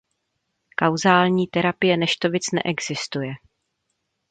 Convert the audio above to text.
Kauzální terapie neštovic neexistuje.